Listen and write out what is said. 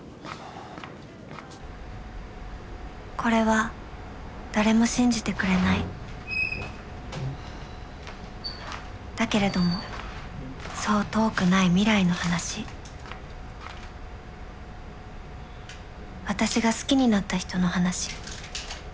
これは誰も信じてくれないだけれどもそう遠くない未来の話私が好きになった人の話。